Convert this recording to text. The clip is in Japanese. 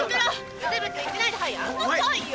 ブツブツ言ってないではいやんなさいよ。